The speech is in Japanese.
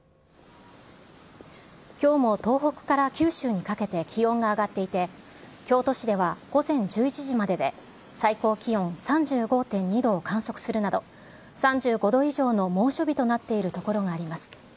きょうも東北から九州にかけて気温が上がっていて、京都市では午前１１時までで最高気温３５．２度を観測するなど、３５度以上の猛暑日となっている所があります。